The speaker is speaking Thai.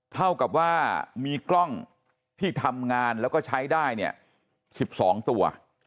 เท่ากับว่ามีกล้องที่ทำงานแล้วก็ใช้ได้เนี่ย๑๒ตัว